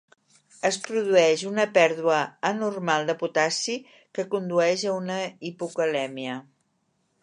Es produeix una pèrdua anormal de potassi que condueix a una hipocalèmia.